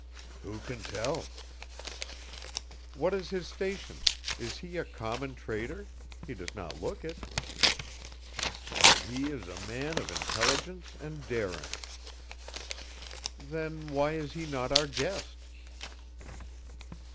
"Who can tell?" "What is his station? Is he a common trader? He does not look it." "He is a man of intelligence and daring." "Then why is he not our guest?"